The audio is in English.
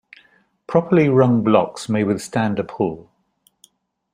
Properly wrung blocks may withstand a pull.